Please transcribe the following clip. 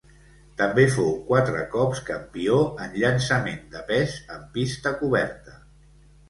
També fou quatre cops campió en llançament de pes en pista coberta.